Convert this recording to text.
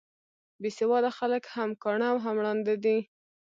بې سواده خلک هم کاڼه او هم ړانده دي.